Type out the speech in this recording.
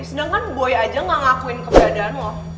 sedangkan boy aja gak ngakuin keberadaan lo